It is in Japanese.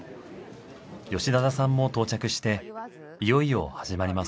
吉田田さんも到着していよいよ始まります。